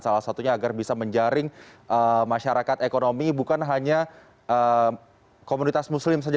salah satunya agar bisa menjaring masyarakat ekonomi bukan hanya komunitas muslim saja